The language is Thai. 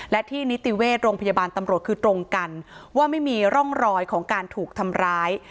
และที่นิติเวชโรงพยาบาลตำรวจคือตรงกันว่าไม่มีร่องรอยของการถูกทำร้าย